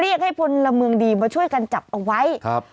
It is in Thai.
ให้พลเมืองดีมาช่วยกันจับเอาไว้ครับ